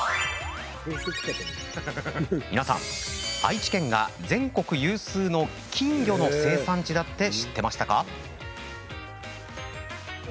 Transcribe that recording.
皆さん、愛知県が全国有数の金魚の生産地だって知ってましたか？